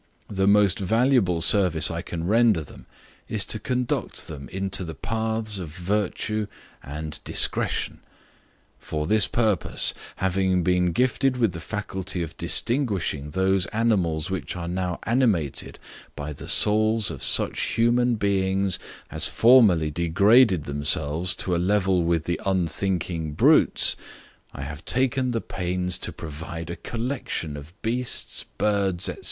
The most valuable service I can render them is to conduct them into the paths of virtue and discretion. For this purpose, having been gifted with the faculty of distinguishing those animals which are now animated by the souls of such human beings as formerly degraded themselves to a level with the unthinking brutes, I have taken the pains to provide a collection of beasts, birds, &c.